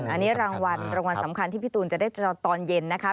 อันนี้รางวัลรางวัลสำคัญที่พี่ตูนจะได้จอตอนเย็นนะคะ